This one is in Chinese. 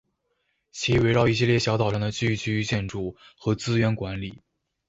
其围绕一系列小岛上的聚居建筑和资源管理。